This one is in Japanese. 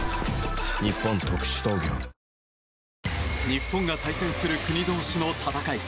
日本が対戦する国同士の戦い。